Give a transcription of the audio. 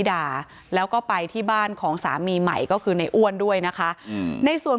ทั้งครูก็มีค่าแรงรวมกันเดือนละประมาณ๗๐๐๐กว่าบาท